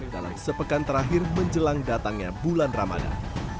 dalam sepekan terakhir menjelang datangnya bulan ramadan